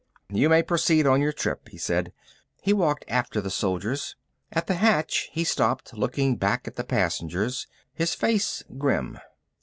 "You may proceed on your trip," he said. He walked after the soldiers. At the hatch he stopped, looking back at the passengers, his face grim.